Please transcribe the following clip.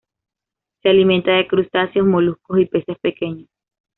Se alimenta de crustáceos, moluscos y peces pequeños.